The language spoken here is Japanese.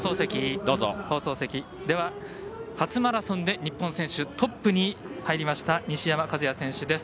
放送席、初マラソンで日本選手トップに入りました西山和弥選手です。